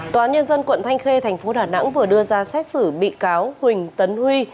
tòa án nhân dân quận thanh khê thành phố đà nẵng vừa đưa ra xét xử bị cáo huỳnh tấn huy